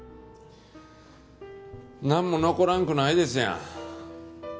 なんも残らんくないですやん。